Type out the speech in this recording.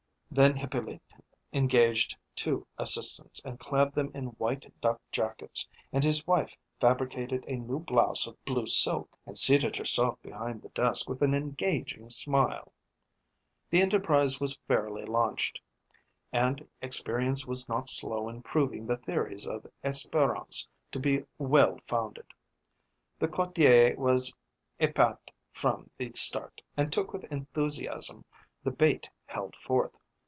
Then Hippolyte engaged two assistants, and clad them in white duck jackets, and his wife fabricated a new blouse of blue silk, and seated herself behind the desk with an engaging smile. The enterprise was fairly launched, and experience was not slow in proving the theories of Espérance to be well founded. The quartier was épaté from the start, and took with enthusiasm the bait held forth.